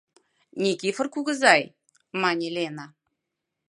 — Никифор кугызай, — мане Лена.